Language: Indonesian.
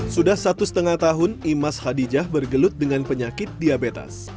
sudah satu setengah tahun imas hadijah bergelut dengan penyakit diabetes